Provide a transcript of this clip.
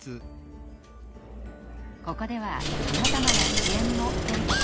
ここではさまざまな支援も受けることができます。